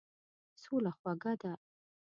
سوله خوږه ده.